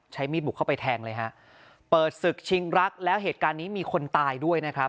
มีดบุกเข้าไปแทงเลยฮะเปิดศึกชิงรักแล้วเหตุการณ์นี้มีคนตายด้วยนะครับ